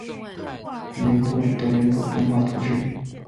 雷博尔德人口变化图示